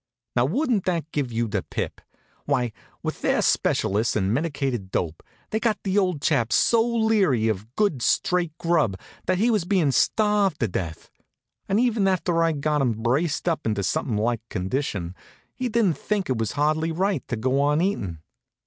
Now, wouldn't that give you the pip? Why, with their specialists and medicated dope, they'd got the old chap so leery of good straight grub that he was bein' starved to death. And even after I'd got him braced up into something like condition, he didn't think it was hardly right to go on eatin'.